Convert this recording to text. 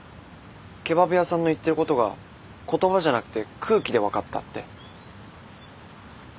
ケバブ屋さんの言ってることが言葉じゃなくて空気で分かったって。